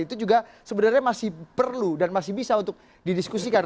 itu juga sebenarnya masih perlu dan masih bisa untuk didiskusikan